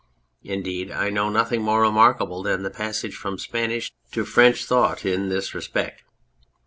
Indeed, I know of nothing more remarkable than the passage from Spanish to French thought in this respect.